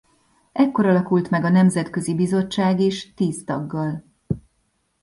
Ekkor alakult meg a Nemzetközi Bizottság is tíz taggal.